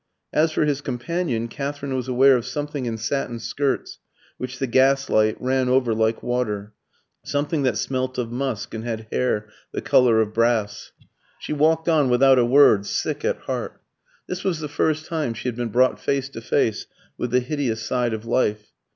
As for his companion, Katherine was aware of something in satin skirts which the gaslight ran over like water something that smelt of musk and had hair the colour of brass. She walked on without a word, sick at heart. This was the first time she had been brought face to face with the hideous side of life.